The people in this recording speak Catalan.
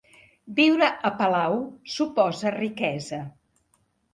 Viure a palau suposa riquesa.